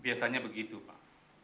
biasanya begitu pak